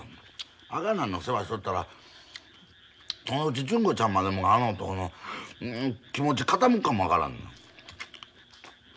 あがなんの世話しとったらそのうち純子ちゃんまでもがあの男に気持ち傾くかも分からん。